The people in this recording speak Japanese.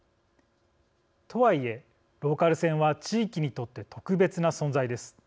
とはいえ、ローカル線は地域にとって特別な存在です。